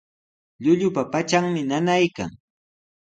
Llullupa patranmi nanaykan.